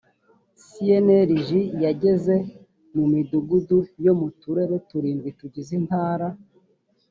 cnlg yageze mu midugudu yo mu turere turindwi tugize intara